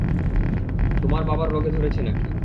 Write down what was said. তোমার বাবার রোগে ধরেছে নাকি?